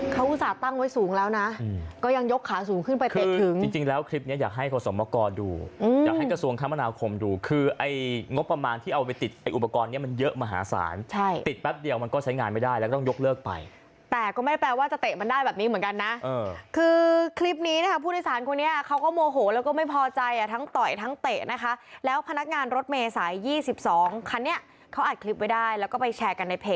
เขาอุตส่าห์ตั้งไว้สูงแล้วนะก็ยังยกขาสูงขึ้นไปเตะถึงจริงแล้วคลิปนี้อยากให้เขาสมบัติก่อนดูอยากให้กระทรวงค้ามะนาวคมอยู่คือไอ้งบประมาณที่เอาไปติดอุปกรณ์เนี่ยมันเยอะมหาศาลใช่ติดแป๊บเดียวมันก็ใช้งานไม่ได้แล้วต้องยกเลิกไปแต่ก็ไม่แปลว่าจะเตะมันได้แบบนี้เหมือนกันนะคือคลิ